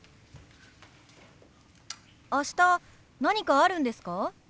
明日何かあるんですか？